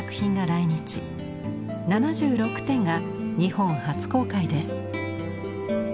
７６点が日本初公開です。